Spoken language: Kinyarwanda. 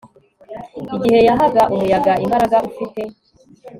igihe yahaga umuyaga imbaraga ufite